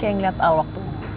saya melihat allah